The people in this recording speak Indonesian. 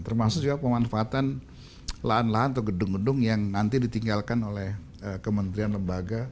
termasuk juga pemanfaatan lahan lahan atau gedung gedung yang nanti ditinggalkan oleh kementerian lembaga